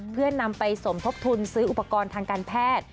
เพื่อนำไปสมทบทุนซื้ออุปกรณ์ทางการแพทย์